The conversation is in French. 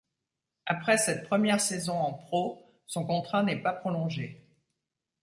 Après cette première saison en pro, son contrat n'est pas prolongé.